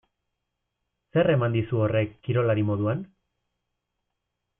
Zer eman dizu horrek kirolari moduan?